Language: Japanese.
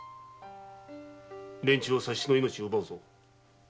連中は佐七の命を奪うぞ。